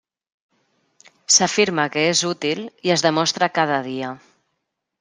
S'afirma que és útil, i es demostra cada dia.